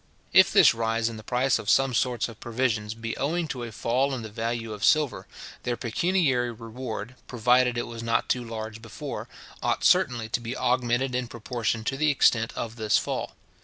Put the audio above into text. If this rise in the price of some sorts of provisions be owing to a fall in the value of silver, their pecuniary reward, provided it was not too large before, ought certainly to be augmented in proportion to the extent of this fall.